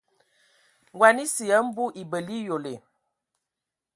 Ngɔn esə ya mbu ebələ eyole.